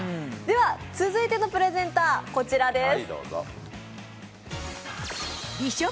続いてのプレゼンター、こちらです。